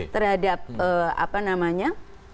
terhadap apa namanya